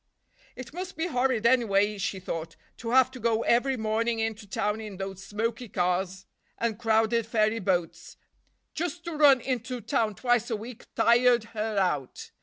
It must be horrid, anyway, she thought, to have to go every morning into town in those smoky cars and crowded ferry boats; just to run into town twice a week tired her out.